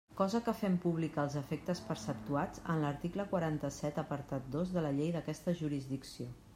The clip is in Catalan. Cosa que fem pública als efectes preceptuats en l'article quaranta-set apartat dos de la llei d'aquesta jurisdicció.